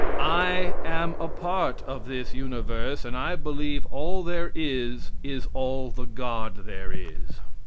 I am a part of this universe, and I believe all there is, is all the God there is.